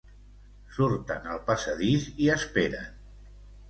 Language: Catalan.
Surten al passadís i esperen.